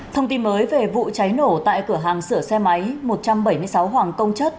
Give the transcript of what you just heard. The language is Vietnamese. thông tin mới về vụ cháy nổ tại cửa hàng sửa xe máy một trăm bảy mươi sáu hoàng công chất